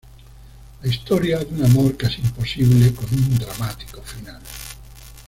La historia de un amor casi imposible con un dramático final.